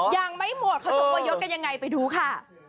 ยังไม่หมดเขาจะกลัวยศกันยังไงไปดูค่ะ